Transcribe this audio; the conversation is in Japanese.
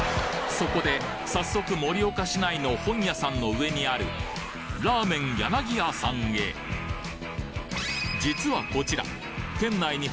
そこで早速盛岡市内の本屋さんの上にあるらーめん柳家さんへ実はこちら！